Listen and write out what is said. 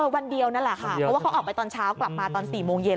วันเดียวนั่นแหละค่ะเพราะว่าเขาออกไปตอนเช้ากลับมาตอน๔โมงเย็น